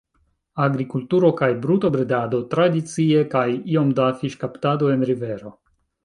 Agrikulturo kaj brutobredado tradicie, kaj iom da fiŝkaptado en rivero.